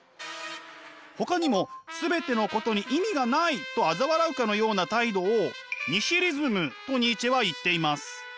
ほかにも全てのことに意味がないとあざ笑うかのような態度をニヒリズムとニーチェは言っています。